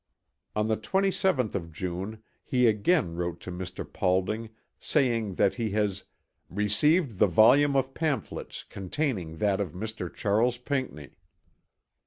On the 27th of June, he again wrote to Mr. Paulding saying that he has "received the volume of pamphlets containing that of Mr. Charles Pinckney."